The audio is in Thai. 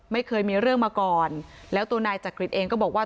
ไม่เคยมีเรื่องมาก่อนแล้วตัวนายจักริตเองก็บอกว่า